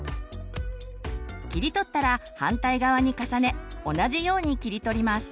切り取ったら反対側に重ね同じように切り取ります。